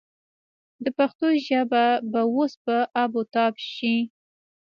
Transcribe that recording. د پښتو ژبه به اوس په آب و تاب شي.